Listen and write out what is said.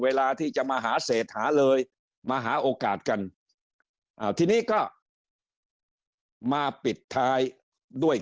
เวลาที่จะมาหาเศษหาเลยมาหาโอกาสกันอ่าทีนี้ก็มาปิดท้ายด้วย